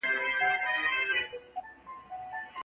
که روزنیز مرکزونه فعال وي، نو بې کاري نه زیاتیږي.